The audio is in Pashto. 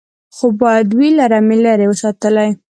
خو باید وي له رمې لیري ساتلی